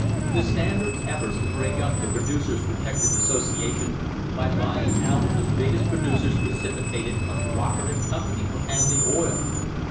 The Standard's efforts to break up the Producers' Protective Association by buying out the biggest producers precipitated a co operative com pany for handling oil.